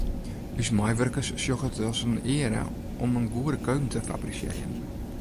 Us meiwurkers sjogge it as in eare om in goede keuken te fabrisearjen.